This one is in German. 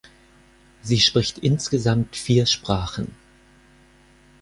Sie spricht insgesamt vier Sprachen.